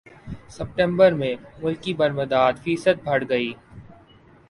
ستمبر میں ملکی برمدات فیصد بڑھ گئیں